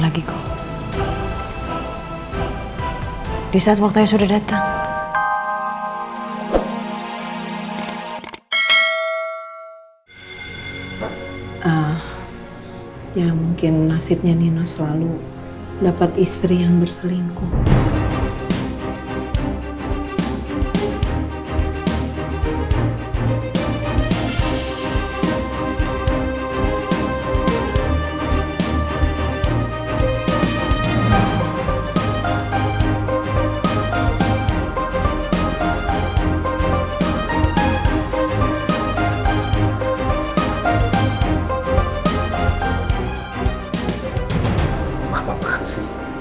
ya mungkin nasibnya nino selalu dapat istri yang berselingkuh